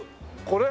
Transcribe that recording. これ？